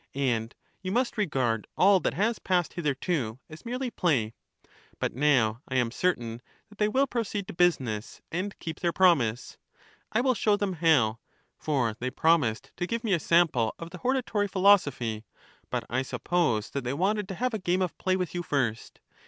And you must regard all that has passed hitherto as merely play. But now I am certain that they will proceed to business, and keep their promise (I will show them how) ; for they promised to give me a sample of the hortatory philosophy, but I suppose that they wanted to have a game of play with you first.